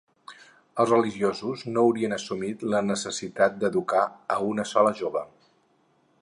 Els religiosos no haurien assumit la necessitat d'educar a una sola jove.